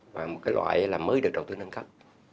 và một cái loại là mới được đầu tư nâng cấp